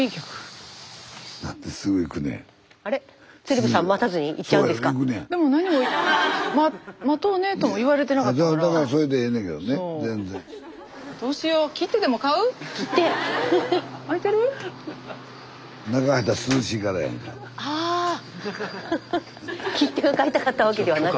スタジオ切手を買いたかったわけではなく。